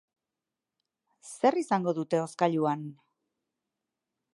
Zer izango dute hozkailuan?